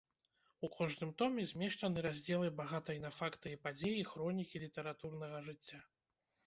У кожным томе змешчаны раздзелы багатай на факты і падзеі хронікі літаратурнага жыцця.